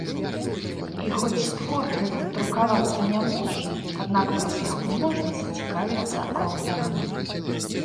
І хоць твор гэты друкавацца не можа, аднак праз яго можна зацікавіцца аўтарам.